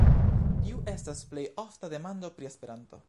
Tiu estas plej ofta demando pri Esperanto.